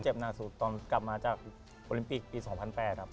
หน้าสุดตอนกลับมาจากโอลิมปิกปี๒๐๐๘ครับ